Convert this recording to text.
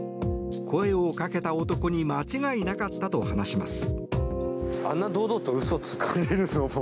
声をかけた男に間違いなかったと話します。